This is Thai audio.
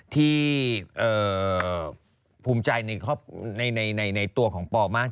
ภูมิใจในตัวของปอมาก